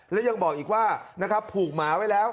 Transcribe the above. แล้วยังบอกอีกว่าผูกหมาไว้แล้ว